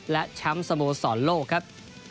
และแชมป์สโมสรโลกครับ